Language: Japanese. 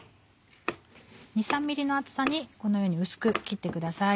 ２３ｍｍの厚さにこのように薄く切ってください。